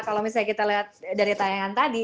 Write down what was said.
kalau misalnya kita lihat dari tayangan tadi